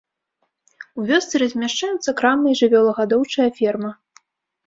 У вёсцы размяшчаюцца крама і жывёлагадоўчая ферма.